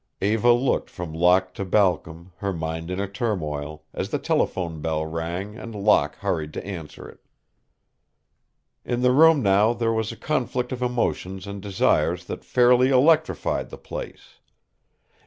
Eva looked from Locke to Balcom, her mind in a turmoil, as the telephone bell rang and Locke hurried to answer it. In the room now there was a conflict of emotions and desires that fairly electrified the place.